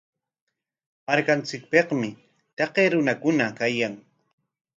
Markanchikpikmi taqay runakuna kayan.